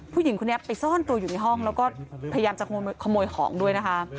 ผู้หญิงคนนี้ไปซ่อนตัวอยู่ในห้องแล้วก็พยายามจะขโมยของด้วยนะคะ